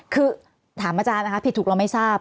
คือถามอาจารย์นะคะผิดถูกเราไม่ทราบ